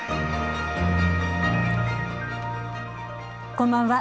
こんばんは。